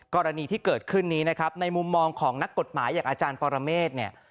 กรณีที่เกิดขึ้นนี้นะครับในมุมมองของนักกฎหมายอย่างอาจารย์ปรเมฆเนี่ย